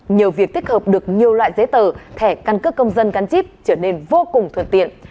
nhờ việc tích hợp được nhiều loại giấy tờ thẻ căn cước công dân gắn chip trở nên vô cùng thuận tiện